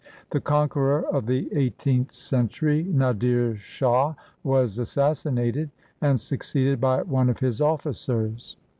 The conqueror of the eighteenth cen tury, Nadir Shah, was assassinated, and succeeded by one of his officers.